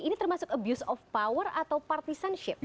ini termasuk abuse of power atau partisanship